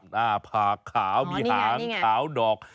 หน้าผากขาวมีหางขาวดอก